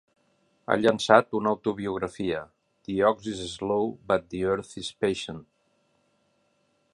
Ha llançat una autobiografia, "The Ox is Slow but the Earth is Patient".